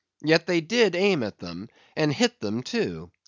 Yet they did aim at them, and hit them too.